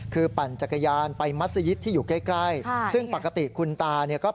คือปั่นจักรยานไปมัศยิตที่อยู่ใกล้ซึ่งปกติคุณตาเนี่ยก็